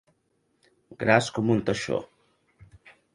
Gras com un teixó.